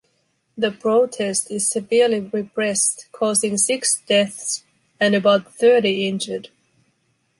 The protest is severely repressed causing six deaths and about thirty injured.